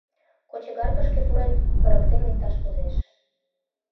Кочегаркышке пурен, ырыктен лекташ возеш.